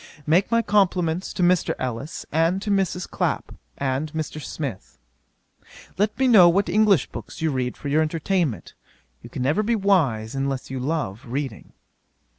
'Make my compliments to Mr. Ellis, and to Mrs. Clapp, and Mr. Smith. 'Let me know what English books you read for your entertainment. You can never be wise unless you love reading.